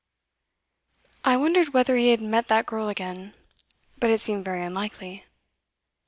'I wondered whether he had met that girl again. But it seemed very unlikely.